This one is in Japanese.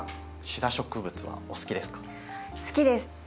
シダ植物はお好きですか？